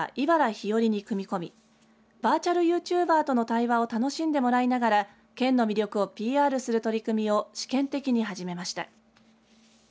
ひよりに組み込みバーチャルユーチューバーとの対話を楽しんでもらいながら県の魅力をＰＲする取り組みを試験的に始めました。